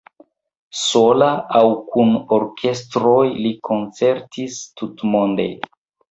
Sola aŭ kun orkestroj li koncertis tutmonde.